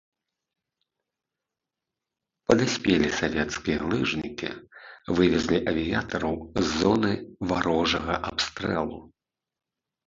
Падаспелі савецкія лыжнікі, вывезлі авіятараў з зоны варожага абстрэлу.